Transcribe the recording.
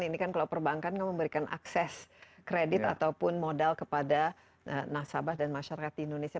ini kan kalau perbankan memberikan akses kredit ataupun modal kepada nasabah dan masyarakat di indonesia